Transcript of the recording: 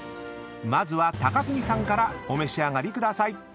［まずは高杉さんからお召し上がりください］